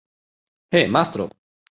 He, mastro!